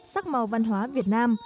sắc màu văn hóa việt nam